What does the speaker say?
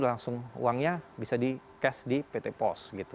langsung uangnya bisa di cash di pt post